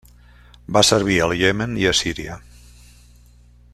Va servir al Iemen i a Síria.